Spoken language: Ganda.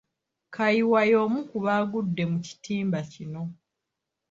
Kayiwa y’omu ku baagudde mu kitimba kino.